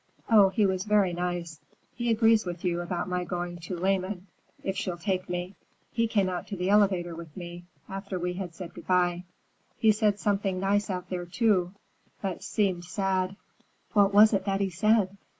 Oh, he was very nice! He agrees with you about my going to Lehmann, if she'll take me. He came out to the elevator with me, after we had said good bye. He said something nice out there, too, but he seemed sad." "What was it that he said?"